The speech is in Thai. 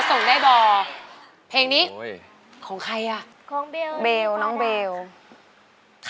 ไอ้ตัวเล็ก